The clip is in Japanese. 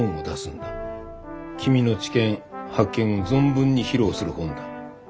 君の知見発見を存分に披露する本だ。